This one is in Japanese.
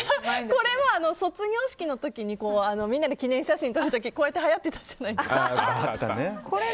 これは卒業式の時にみんなで記念写真撮る時こうやってはやってたじゃないですか。